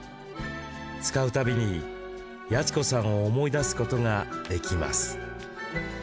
使う度に八千子さんを思い出すことができます。